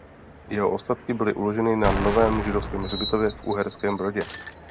Jeho ostatky byly uloženy na novém židovském hřbitově v Uherském Brodě.